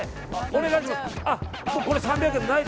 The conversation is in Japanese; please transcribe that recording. お願い！